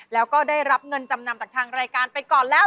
แล้วก็ได้รับเงินจำนำจากทางรายการไปก่อนแล้ว